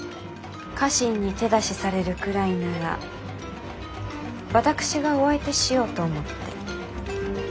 家臣に手出しされるくらいなら私がお相手しようと思って。